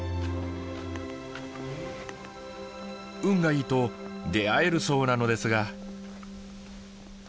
運がいいと出会えるそうなのですが。